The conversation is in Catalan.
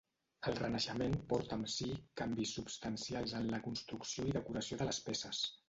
El renaixement porta amb si canvis substancials en la construcció i decoració de les peces.